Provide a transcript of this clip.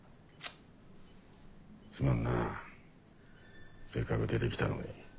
すまんなせっかく出て来たのに。